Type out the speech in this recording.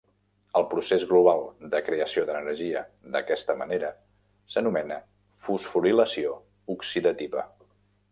El procés global de creació d'energia d'aquesta manera s'anomena fosforilació oxidativa.